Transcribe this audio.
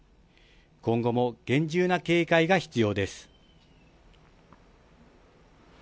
今後も厳重な警戒が必要です。